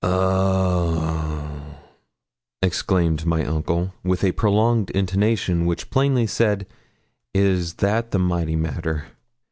'O o oh!' exclaimed my uncle, with a prolonged intonation which plainly said, Is that the mighty matter?